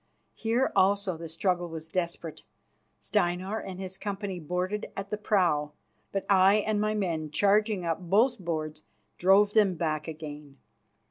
Here also the struggle was desperate. Steinar and his company boarded at the prow, but I and my men, charging up both boards, drove them back again.